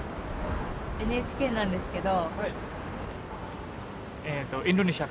ＮＨＫなんですけど。